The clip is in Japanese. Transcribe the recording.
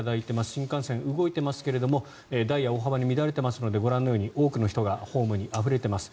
新幹線、動いていますがダイヤが大幅に乱れていますのでご覧のように多くの人がホームにあふれています。